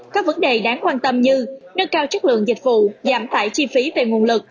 các vấn đề đáng quan tâm như nâng cao chất lượng dịch vụ giảm tải chi phí về nguồn lực